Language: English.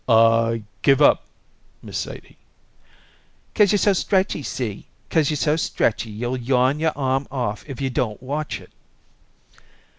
"Aw, I give up, Miss Sadie." "'Cause you're so stretchy, see? 'Cause you're so stretchy you'll yawn your arm off if you don't watch it."